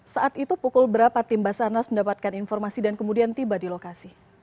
saat itu pukul berapa tim basarnas mendapatkan informasi dan kemudian tiba di lokasi